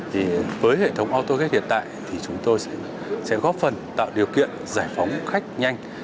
thì với hệ thống autogate hiện tại thì chúng tôi sẽ góp phần tạo điều kiện giải phóng khách nhanh